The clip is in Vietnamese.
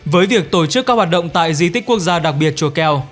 với việc tổ chức các hoạt động tại di tích quốc gia đặc biệt chùa keo